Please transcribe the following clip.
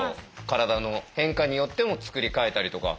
体の変化によってもつくり替えたりとか。